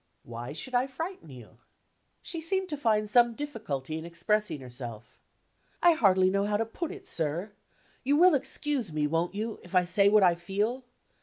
"Why should I frighten you?" She seemed to find some difficulty in expressing herself. "I hardly know how to put it, sir. You will excuse me (won't you?) if I say what I feel.